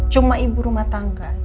cuma ibu rumah tangga